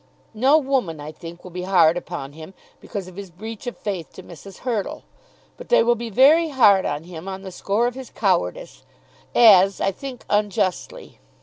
No woman, I think, will be hard upon him because of his breach of faith to Mrs. Hurtle. But they will be very hard on him on the score of his cowardice, as, I think, unjustly.